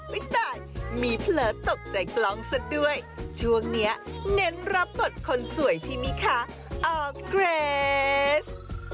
อุ้ยตายมีเพลินตกใจกล้องซะด้วยช่วงนี้เน้นรับผลคนสวยชิมิคะออร์เกรส